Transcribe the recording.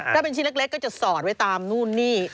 ถ้าเป็นชิ้นเล็กก็จะสอนไว้ตามนู่นนี่